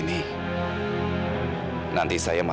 nanti saya malah harus menjaga dia